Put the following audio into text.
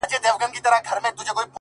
مجاهد د خداى لپاره دى لوېــدلى ـ